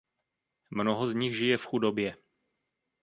Mnoho z nich žije v chudobě.